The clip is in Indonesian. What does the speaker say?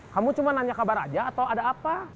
kamu cuma nanya kabar aja atau ada apa